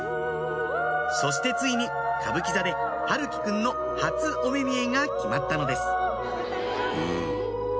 そしてついに歌舞伎座で陽喜くんの初お目見えが決まったのです